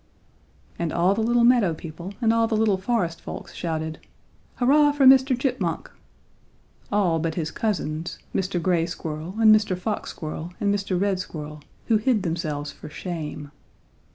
"And all the little meadow people and all the little forest folks shouted 'Hurrah for Mr. Chipmunk!' All but his cousins, Mr. Gray Squirrel and Mr. Fox Squirrel and Mr. Red Squirrel, who hid themselves for shame.